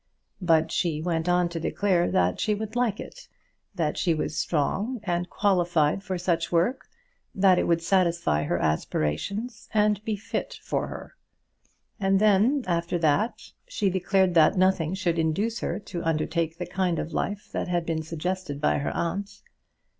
But she went on to declare that she would like it, that she was strong and qualified for such work, that it would satisfy her aspirations, and be fit for her. And then, after that, she declared that nothing should induce her to undertake the kind of life that had been suggested by her aunt.